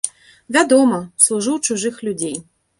Вядома, служу ў чужых людзей.